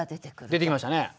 出てきましたね。